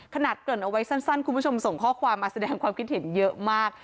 เกริ่นเอาไว้สั้นคุณผู้ชมส่งข้อความมาแสดงความคิดเห็นเยอะมาก